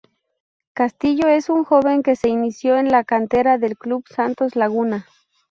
Castillo es un joven que se inició en la cantera del Club Santos Laguna.